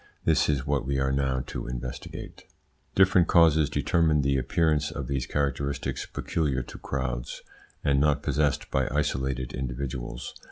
This is what we are now to investigate. Different causes determine the appearance of these characteristics peculiar to crowds, and not possessed by isolated individuals.